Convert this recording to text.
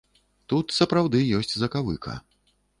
Тут сапраўды ёсць закавыка.